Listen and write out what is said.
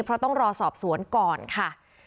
เพราะต้องรอสอบสวนก่อนค่ะ